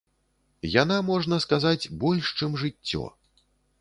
Яна, можна сказаць, больш, чым жыццё.